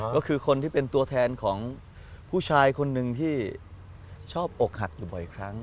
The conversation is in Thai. ก็คือคนที่เป็นตัวแทนของผู้ชายคนหนึ่งที่ชอบอกหักอยู่บ่อยครั้ง